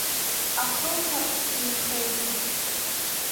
Ахылԥарч ихеиҵон.